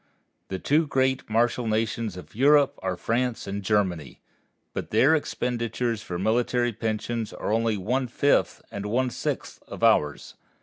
The two great martial nations of Europe are France and Germany, but their expenditures for military pensions are only one fifth and one sixth of ours.